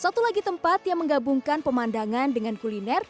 satu lagi tempat yang menggabungkan pemandangan dengan kuliner